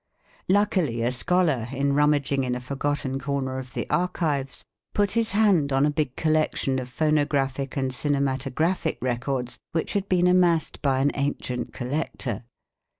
Luckily a scholar in rummaging in a forgotten corner of the archives put his hand on a big collection of phonographic and cinematographic records which had been amassed by an ancient collector.